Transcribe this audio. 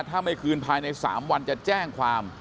ถ้าไม่คืนภายใน๓วันจะแจ้งความ